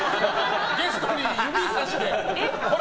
ゲストに指差してほら！